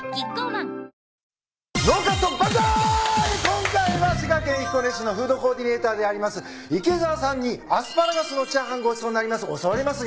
今回は滋賀県彦根市のフードコーディネーターであります池澤さんにアスパラガスのチャーハンごちそうになります。